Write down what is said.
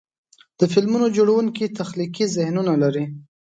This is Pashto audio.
د فلمونو جوړونکي تخلیقي ذهنونه لري.